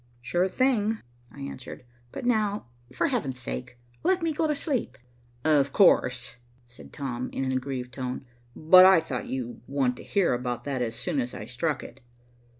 "Sure thing," I answered. "But now, for heaven's sake, let me go to sleep." "Of course," said Tom, in an aggrieved tone. "But I thought you'd want to hear about that as soon as I struck it."